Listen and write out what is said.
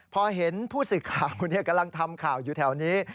พอเห็นผู้สื่อข่าวกำลังทำข่าวอยู่แถวนี้